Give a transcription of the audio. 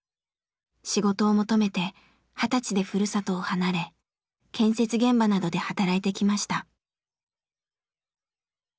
仕事を求めて二十歳でふるさとを離れ建設現場などで働いてきました。